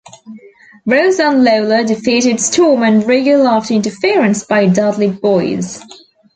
Ross and Lawler defeated Storm and Regal after interference by Dudley Boyz.